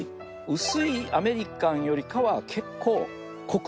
薄いアメリカンよりかは結構濃く。